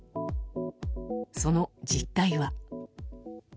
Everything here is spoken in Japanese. その実態は。